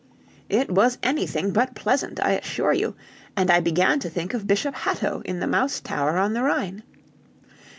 "It was anything but pleasant, I assure you, and I began to think of Bishop Hatto in the Mouse Tower on the Rhine.